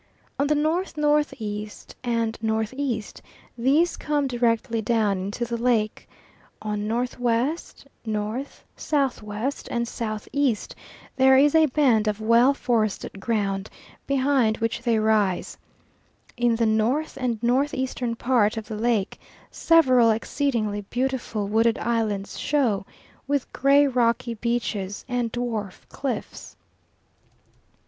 On the N.N.E. and N.E. these come directly down into the lake; on N.W., N., S.W., and S.E. there is a band of well forested ground, behind which they rise. In the north and north eastern part of the lake several exceedingly beautiful wooded islands show, with gray rocky beaches and dwarf cliffs.